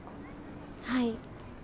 はい。